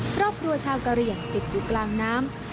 ครอบครัวชาวกะเหลี่ยงติดอยู่กลางน้ำ